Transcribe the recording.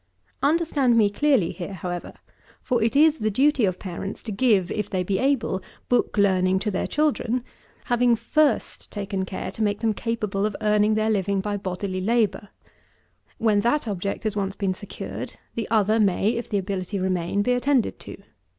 12. Understand me clearly here, however; for it is the duty of parents to give, if they be able, book learning to their children, having first taken care to make them capable of earning their living by bodily labour. When that object has once been secured, the other may, if the ability remain, be attended to.